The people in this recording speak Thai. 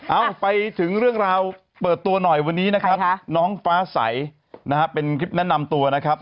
เอาไปถึงเรื่องราวเปิดตัวหน่อยวันนี้นะครับน้องฟ้าใสนะฮะเป็นคลิปแนะนำตัวนะครับ